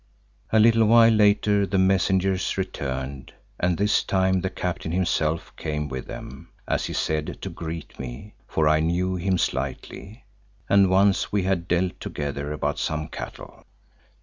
A little while later the messengers returned and this time the captain himself came with them, as he said to greet me, for I knew him slightly and once we had dealt together about some cattle.